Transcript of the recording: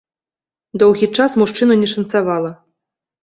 Доўгі час мужчыну не шанцавала.